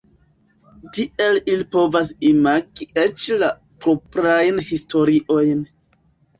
Tiele ili povas imagi eĉ la proprajn historiojn.